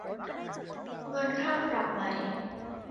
เงินค่าปรับไหม